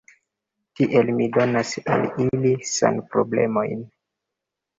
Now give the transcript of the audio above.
Tiel mi donas al ili sanproblemojn.